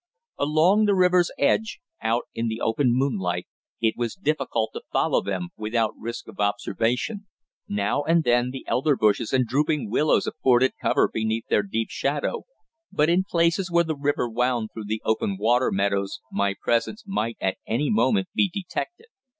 Along the river's edge, out in the open moonlight, it was difficult to follow them without risk of observation. Now and then the elder bushes and drooping willows afforded cover beneath their deep shadow, but in places where the river wound through the open water meadows my presence might at any moment be detected.